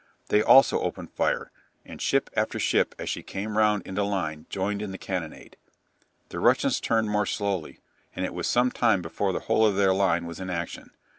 They also opened fire, and ship after ship as she came round into line joined in the cannonade. The Russians turned more slowly, and it was some time before the whole of their line was in action.